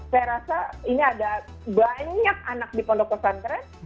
saya rasa ini ada banyak anak di pondok pesantren